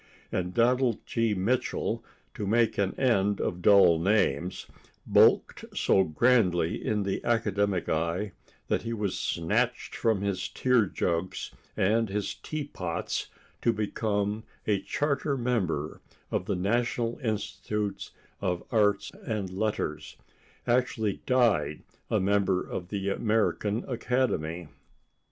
And Donald G. Mitchell, to make an end of dull names, bulked so grandly in the academic eye that he was snatched from his tear jugs and his tea pots to become a charter member of the National Institute of Arts and Letters, and actually died a member of the American Academy!